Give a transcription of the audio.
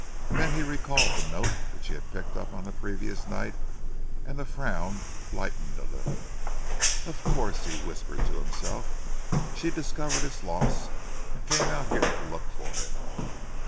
Then he recalled the note which he had picked up on the previous night and the frown lightened a little. "Of course!" he whispered to himself, "she discovered its loss and came out here to look for it."